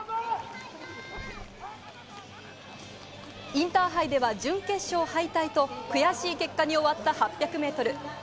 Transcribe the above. インターハイでは準決勝敗退と、悔しい結果に終わった８００メートル。